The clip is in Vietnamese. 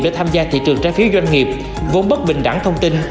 để tham gia thị trường trái phiếu doanh nghiệp vốn bất bình đẳng thông tin